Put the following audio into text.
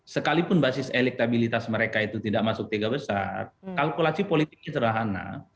sekalipun basis elektabilitas mereka itu tidak masuk tiga besar kalkulasi politiknya sederhana